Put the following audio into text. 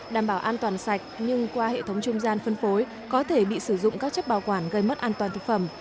đảm bảo an toàn sạch nhưng qua hệ thống trung gian phân phối có thể bị sử dụng các chất bảo quản gây mất an toàn thực phẩm